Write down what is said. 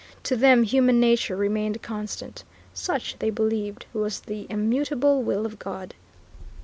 To them human nature remained constant. Such, they believed, was the immutable will of God.